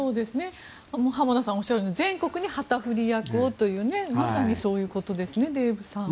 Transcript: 濱田さんがおっしゃるように全国に旗振り役をという、まさにそういうことですねデーブさん。